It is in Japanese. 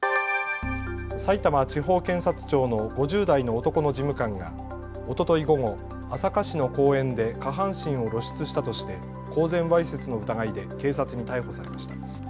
さいたま地方検察庁の５０代の男の事務官がおととい午後、朝霞市の公園で下半身を露出したとして公然わいせつの疑いで警察に逮捕されました。